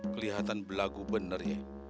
kelihatan belagu bener ya